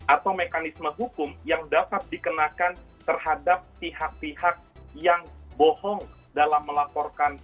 atau mekanisme hukum yang dapat dikenakan terhadap pihak pihak yang bohong dalam melaporkan